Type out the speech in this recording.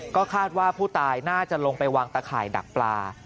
ก็คาดว่าผู้ตายน่าจะลงไปวางตะข่ายดักปลา